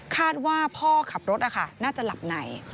คาดว่าพ่อขับรถน่าจะหลับไหน